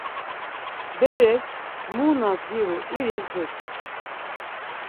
Berek mu na ziru iris dutzu.